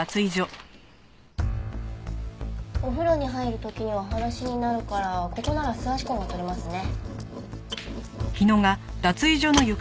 お風呂に入る時には裸足になるからここなら素足痕が採れますね。